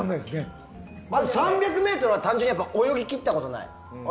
まず３００ｍは単純に泳ぎ切ったことない。